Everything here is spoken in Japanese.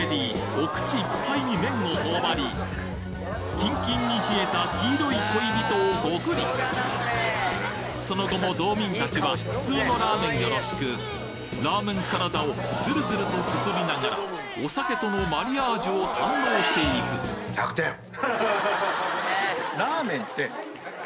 お口いっぱいに麺を頬張りキンキンに冷えた黄色い恋人をゴクリその後も道民達は普通のラーメンよろしくラーメンサラダをズルズルとすすりながらお酒とのマリアージュを堪能していくでも。